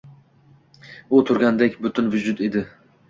U turgandek butun vujud edi.